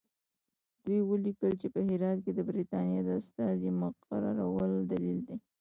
دوی ولیکل چې په هرات کې د برټانیې د استازي مقررول دلیل لري.